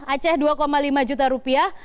aceh dua lima juta rupiah